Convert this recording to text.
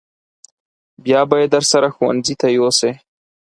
بیا به یې درسره ښوونځي ته یوسې.